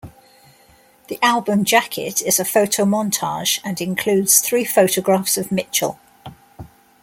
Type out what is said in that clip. The album jacket is a photomontage and includes three photographs of Mitchell.